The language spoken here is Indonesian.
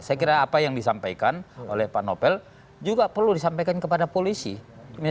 saya kira apa yang disampaikan oleh pak novel juga perlu disampaikan kepada polisi